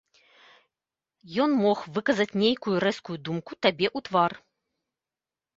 Ён мог выказаць нейкую рэзкую думку табе ў твар.